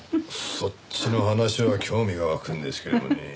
そっちの話は興味が湧くんですけどねえ。